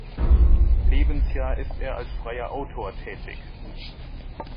Lebensjahr ist er als freier Autor tätig.